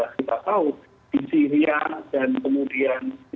hari ini kalau misalnya saya kan mengikuti whatsapp group dari kelompok pro di indonesia